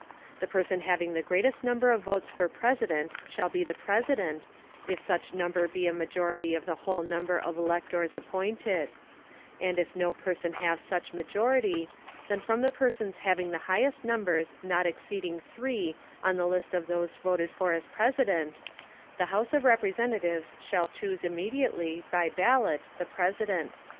The person having the greatest number of votes for President shall be the President, if such number be a majority of the whole number of electors appointed; and if no person have such majority, then from the persons having the highest numbers not exceeding three on the list of those voted for as President, the House of Representatives shall choose immediately, by ballot, the President.